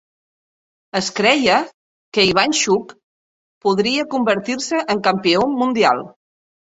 Es creia que Ivanchuk podria convertir-se en campió mundial.